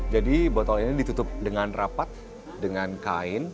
jadi botol ini ditutup dengan rapat dengan kain